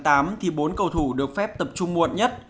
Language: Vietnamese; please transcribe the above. thì bốn cầu thủ được phép tập trung muộn nhất